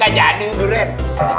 gak jadu durang